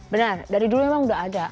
benar dari dulu memang udah ada